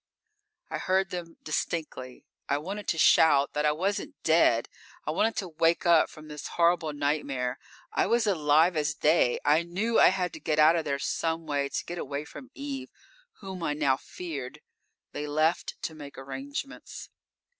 _ _I heard them distinctly. I wanted to shout that I wasn't dead; I wanted to wake up from this horrible nightmare. I was as alive as they. I knew I had to get out of there, some way; to get away from Eve, whom I now feared. They left to make arrangements.